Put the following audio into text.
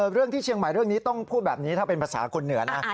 เรื่องที่ชีวิตต้องพูดแบบนี้ถ้าเป็นภาษากลเหนือน